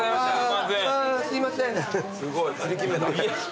すごい。